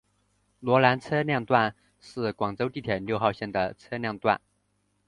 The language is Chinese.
萝岗车辆段是广州地铁六号线的车辆段。